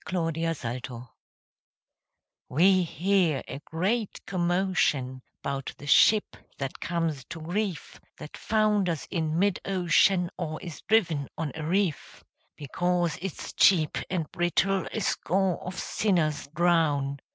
0 Autoplay We hear a great commotion 'Bout the ship that comes to grief, That founders in mid ocean, Or is driven on a reef; Because it's cheap and brittle A score of sinners drown.